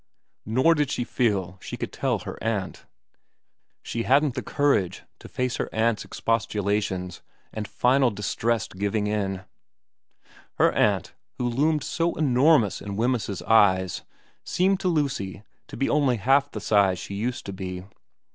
Nor did she feel she could tell her aunt. She hadn't the courage to face her aunt's expostulations and final distressed giving in. Her aunt, who loomed so enormous in Wemyss's eyes, seemed to Lucy to be only half the size she used to be.